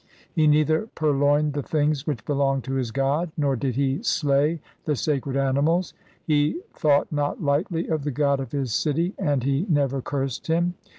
He neither purloined the things which belonged to his god, nor did he slay the sacred animals ; he thought not lightly of the god of his city, and he never cursed him.